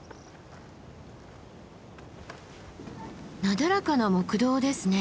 なだらかな木道ですね。